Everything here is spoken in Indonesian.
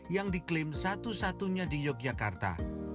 yang diklaim satu satunya di yogyakarta